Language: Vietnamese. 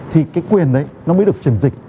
thì cái quyền đấy nó mới được truyền dịch